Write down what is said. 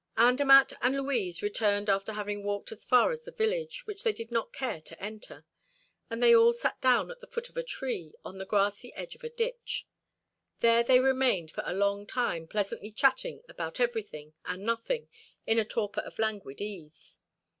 Andermatt and Louise returned after having walked as far as the village, which they did not care to enter. And they all sat down at the foot of a tree, on the grassy edge of a ditch. There they remained for a long time pleasantly chatting about everything and nothing in a torpor of languid ease.